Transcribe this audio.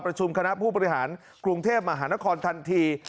ประชุมคณะผู้ปริหารกรุงเทพฯมหานครทันที